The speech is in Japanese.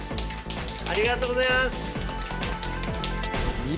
ありがとうございます。